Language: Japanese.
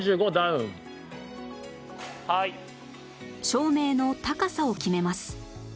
照明の高さを決めます